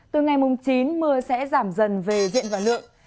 từ ngày mùng chín mưa sẽ giảm dần về diện và lượng